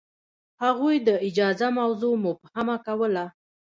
هغوی د اجازه موضوع مبهمه کوله.